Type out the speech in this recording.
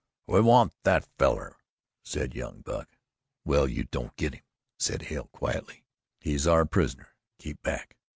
"We want that feller," said young Buck. "Well, you don't get him," said Hale quietly. "He's our prisoner. Keep back!"